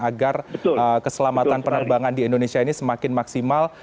agar keselamatan penerbangan di indonesia ini semakin maksimal